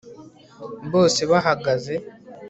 bose bahagaze